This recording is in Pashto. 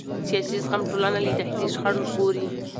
سیاسي زغم ټولنه له داخلي شخړو ژغوري